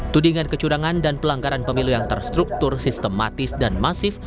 tudingan kecurangan dan pelanggaran pemilu yang terstruktur sistematis dan masif